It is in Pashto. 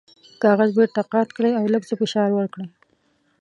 کاغذ بیرته قات کړئ او لږ څه فشار ورکړئ.